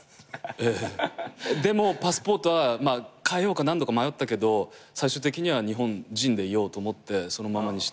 でもパスポートは変えようか何度か迷ったけど最終的には日本人でいようと思ってそのままにして。